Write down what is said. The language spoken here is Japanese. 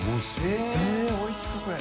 悗А繊おいしそうこれ。